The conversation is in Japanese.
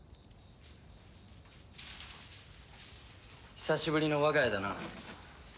久しぶりの我が家だな。